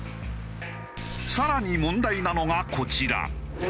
更に問題なのがこちら。